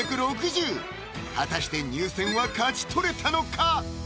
果たして入選は勝ち取れたのか？